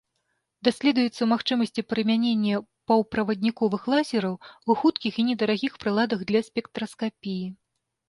Даследуюцца магчымасці прымянення паўправадніковых лазераў ў хуткіх і недарагіх прыладах для спектраскапіі.